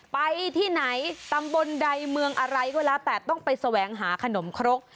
ไปที่ไหนตำบลใดเมืองอะไรก็แล้วแต่ต้องไปแสวงหาขนมครก